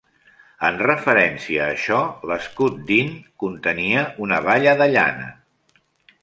En referència a això, l'escut d'Inn contenia una balla de llana.